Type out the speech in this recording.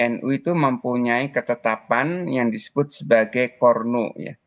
nu itu mempunyai ketetapan yang disebut sebagai korno